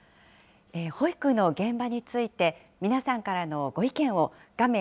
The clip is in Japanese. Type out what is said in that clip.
保育の現場について皆さんからのご意見を画面